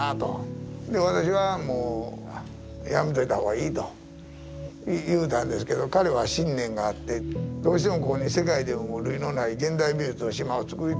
で私はもうやめといた方がいいと言うたんですけど彼は信念があってどうしてもここに世界でも類のない現代美術の島をつくりたいと。